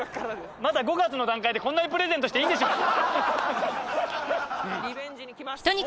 まだ５月の段階でこんなにプレゼントしていいんでしょうか。